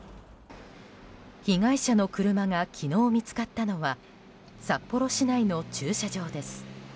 被害者の車が昨日、見つかったのは札幌市内の駐車場です。